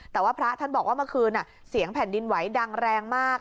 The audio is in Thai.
แต่ว่าพระท่านบอกว่าเมื่อคืนเสียงแผ่นดินไหวดังแรงมาก